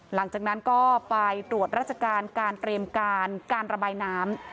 หลังจากนั้นก็ไปตรวจราชการการเตรียมการการระบายน้ำ